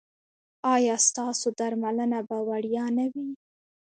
ایا ستاسو درملنه به وړیا نه وي؟